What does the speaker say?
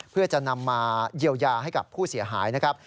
เพื่อจะนำมาเยียวยาให้กับผู้เสียหายนะครับ